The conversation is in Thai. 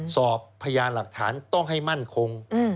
พยานหลักฐานต้องให้มั่นคง